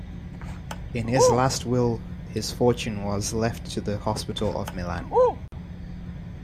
In his last will his fortune was left to the hospital of Milan.